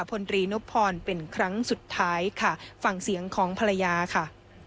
พลตรีนพพรเป็นครั้งสุดท้ายค่ะฟังเสียงของภรรยาค่ะ